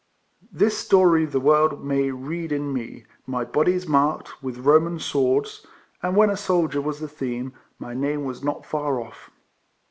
" This story The world may read in me : my body's marli'd Witli Roman swoids j And when a soldier was the theme, my name Was not far off."